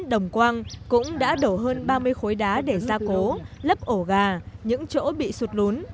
đồng quang cũng đã đổ hơn ba mươi khối đá để ra cố lấp ổ gà những chỗ bị sụt lún